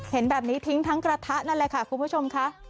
เห็นแบบนี้ทิ้งทั้งกระทะนั่นแหละค่ะคุณผู้ชมค่ะ